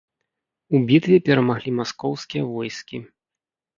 У бітве перамаглі маскоўскія войскі.